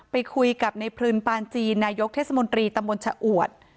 ไปคุยกับในพลึนปานจีนนายกเทศมนตรีตำบลชะอวด